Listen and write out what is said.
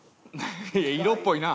いや色っぽいな。